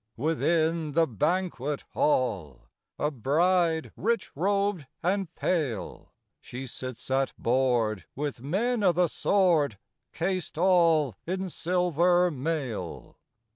Within the banquet hall, A bride, rich robed and pale, She sits at board with men o' the sword Cased all in silver mail.